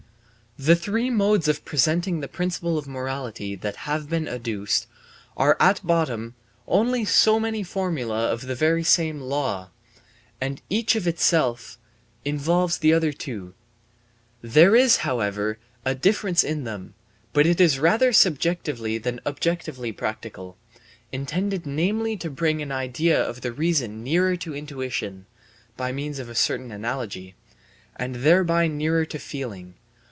The three modes of presenting the principle of morality that have been adduced are at bottom only so many formulae of the very same law, and each of itself involves the other two. There is, however, a difference in them, but it is rather subjectively than objectively practical, intended namely to bring an idea of the reason nearer to intuition (by means of a certain analogy) and thereby nearer to feeling.